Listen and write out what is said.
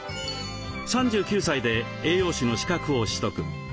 ３９歳で栄養士の資格を取得。